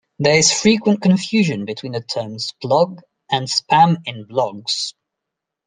There is frequent confusion between the terms "splog" and "spam in blogs".